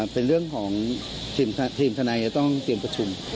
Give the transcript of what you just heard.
เป็นเรื่องของทีมทนายจะต้องเตรียมประชุม